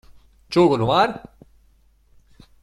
Čugunu var?